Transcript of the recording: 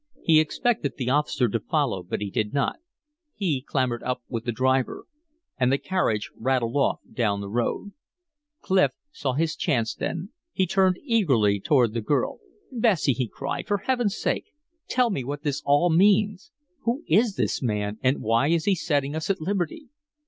He expected the officer to follow, but he did not; he clambered up with the driver. And the carriage rattled off down the road. Clif saw his chance then. He turned eagerly toward the girl. "Bessie!" he cried, "for Heaven's sake, tell me what this all means. Who is this man? And why is he setting us at liberty?"